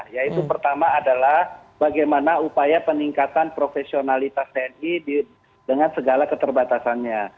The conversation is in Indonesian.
yaitu pertama adalah bagaimana upaya peningkatan profesionalitas tni dengan segala keterbatasannya